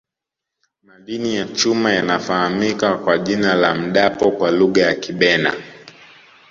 madini ya cuma yanafahamika kwa jina la mdapo kwa lugha ya kibena